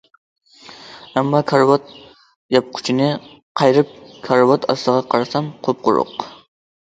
ئەمما كارىۋات ياپقۇچىنى قايرىپ كارىۋات ئاستىغا قارىسام قۇپقۇرۇق.